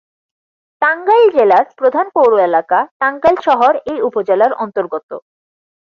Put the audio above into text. টাঙ্গাইল জেলার প্রধান পৌর এলাকা টাঙ্গাইল শহর এই উপজেলার অন্তর্গত।